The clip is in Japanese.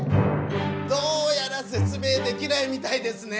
どうやらせつ明できないみたいですね！